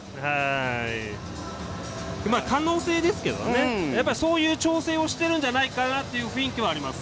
可能性ですけどね、そういう調整をしてるんじゃないかなという雰囲気はあります。